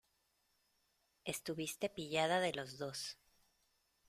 estuviste pillada de los dos.